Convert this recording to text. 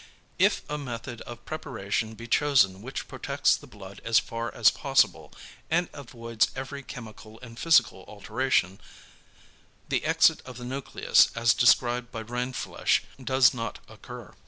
If a method of preparation be chosen which protects the blood as far as possible, and avoids every chemical and physical alteration, the exit of the nucleus as described by Rindfleisch does not occur.